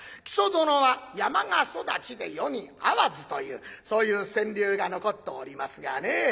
「木曽殿は山家育ちで世に合わず」というそういう川柳が残っておりますがね。